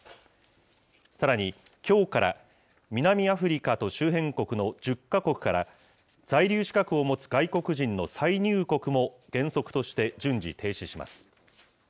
さらに、きょうから南アフリカと周辺国の１０か国から、在留資格を持つ外国人の再入国も、原則として順次停止します。